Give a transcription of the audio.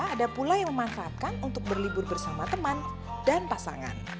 ada pula yang memanfaatkan untuk berlibur bersama teman dan pasangan